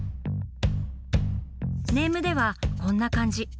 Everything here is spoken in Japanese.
ネームではこんな感じ。